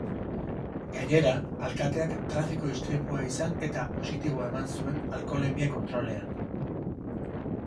Gainera, alkateak trafiko istripua izan eta positibo eman zuen alkoholemia-kontrolean.